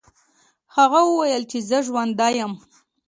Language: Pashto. هغه وویل چې زه ژوندی یم.